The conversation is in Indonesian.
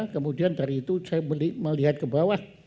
kemudian dari itu saya melihat ke bawah